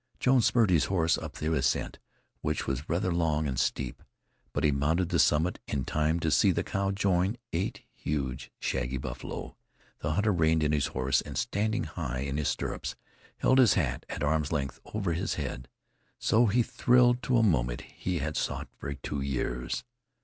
Jones spurred his horse up the ascent, which was rather long and steep, but he mounted the summit in time to see the cow join eight huge, shaggy buffalo. The hunter reined in his horse, and standing high in his stirrups, held his hat at arms' length over his head. So he thrilled to a moment he had sought for two years.